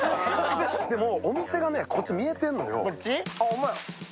でも、お店がこっち、見えてんのよ。